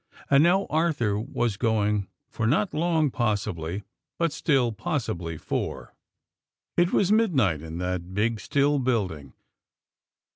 And now Arthur was going, for not long, possibly, but, still possibly for It was midnight in that big still building.